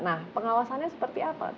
nah pengawasannya seperti apa